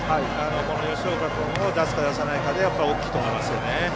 この吉岡君を出すか出さないかで大きいと思いますね。